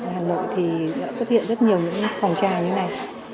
hà nội thì đã xuất hiện rất nhiều những phòng trà như này